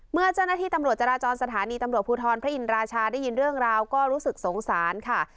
เมื่อเจ้าหน้าที่ตำรวจจราจรสถานีตำรวจภูทรพระอินราชาได้ยินเรื่องราวก็รู้สึกสงสารค่ะ